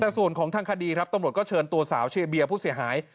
แต่ส่วนของทางคดีครับตำรวจก็เชิญตัวสาวเชียร์เบียร์ผู้เสียหาย